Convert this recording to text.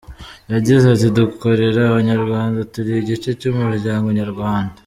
Yagize ati “Dukorera Abanyarwanda, turi igice cy’umuryango Nyarwanda.